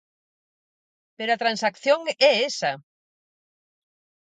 ¡Pero a transacción é esa!